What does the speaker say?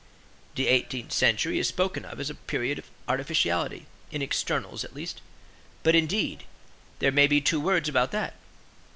The eighteenth century is spoken of as the period of artificiality, in externals at least; but, indeed, there may be two words about that.